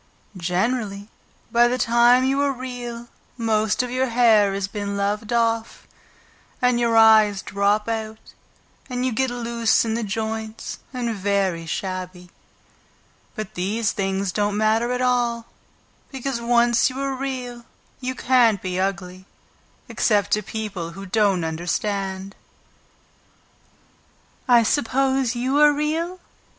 Generally, by the time you are Real, most of your hair has been loved off, and your eyes drop out and you get loose in the joints and very shabby. But these things don't matter at all, because once you are Real you can't be ugly, except to people who don't understand." "I suppose you are real?"